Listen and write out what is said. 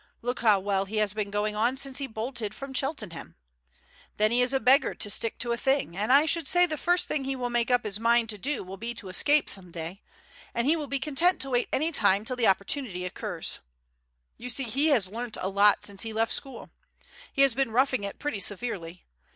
Look how well he has been going on since he bolted from Cheltenham. Then he is a beggar to stick to a thing, and I should say the first thing he will make up his mind to do will be to escape some day, and he will be content to wait any time till the opportunity occurs. You see he has learnt a lot since he left school. He has been roughing it pretty severely.